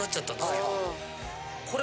これ。